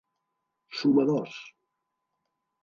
Sumadors: